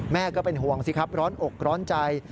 ก็เป็นห่วงสิครับร้อนอกร้อนใจ